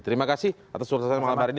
terima kasih atas ulasan malam hari ini